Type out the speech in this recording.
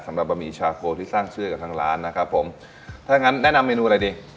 สำหรับบะหมี่ชาโก้ที่สร้างชื่อให้กับทั้งร้านนะครับผมถ้าอย่างนั้นแนะนำเมนูอะไรดิ